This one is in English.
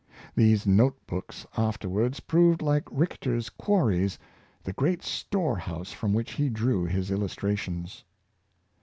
These note books afterwards proved like Richter's " quarries," the great storehouse from which he drew his illustrations.